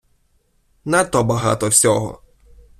Надто багато всього.